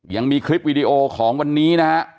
ยังมีคลิปวิดีโอของวันนี้นะฮะ